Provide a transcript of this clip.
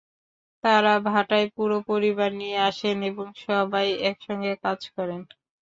তাঁরা ভাটায় পুরো পরিবার নিয়ে আসেন এবং সবাই একসঙ্গে কাজ করেন।